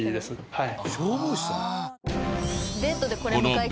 はい。